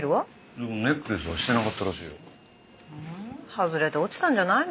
外れて落ちたんじゃないの？